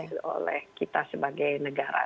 dari kita sebagai negara